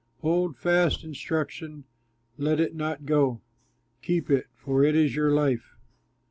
Hold fast instruction, let it not go; Keep it, for it is your life.